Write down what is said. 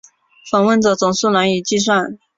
访问者总数难以计算。